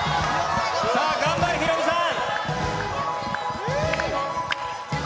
さあ、頑張れヒロミさん。